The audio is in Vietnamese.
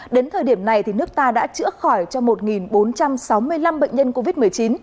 đến thời điểm này nước ta đã chữa khỏi cho một bốn trăm sáu mươi năm bệnh nhân covid một mươi chín